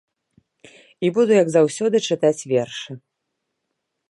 І буду, як заўсёды, чытаць вершы.